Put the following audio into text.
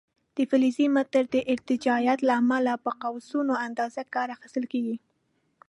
د فلزي متر د ارتجاعیت له امله په قوسونو اندازه کې کار اخیستل کېږي.